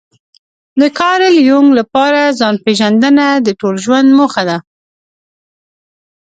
د کارل يونګ لپاره ځان پېژندنه د ټول ژوند موخه ده.